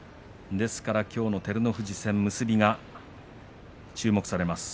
ですからきょうの照ノ富士戦結びが注目されます。